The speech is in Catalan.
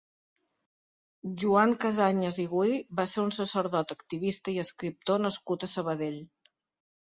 Joan Casañas i Guri va ser un sacerdot, activista i escriptor nascut a Sabadell.